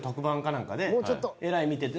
えらい見てて。